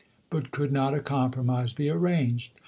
But could not a compromise be arranged?